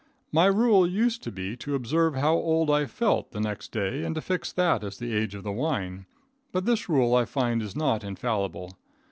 My rule used to be to observe how old I felt the next day and to fix that as the age of the wine, but this rule I find is not infallible.